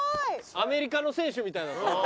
アメリカの選手みたいだったな。